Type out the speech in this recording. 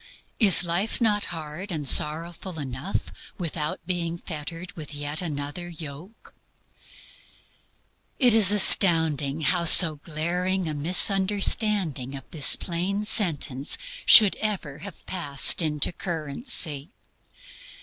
Is life not hard and sorrowful enough without being fettered with yet another yoke? It is astounding how so glaring a misunderstanding of this plain sentence should ever have passed into currency.